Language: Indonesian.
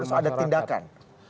jadi harus ada tindakan